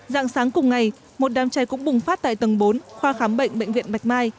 dạng sáng cùng ngày một đám cháy cũng bùng phát tại tầng bốn khoa khám bệnh bệnh viện bạch mai